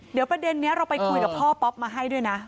เดี๋ยวประเด็นนี้เราไปคุยกับพ่อป๊อปมาให้ด้วยนะ